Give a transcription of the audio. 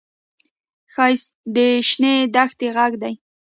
ښایست د شنې دښتې غږ دی